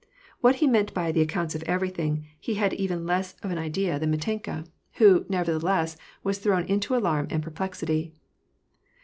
What he meant by the "accounts of everything," he had even less of an idea 248 WAR AND PEACE. than Mitenka ; who, nevertheless, was thrown into alarm and perplexity.